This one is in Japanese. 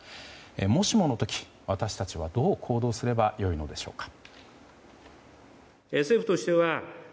もしもの時、私たちはどう行動すればよいのでしょうか。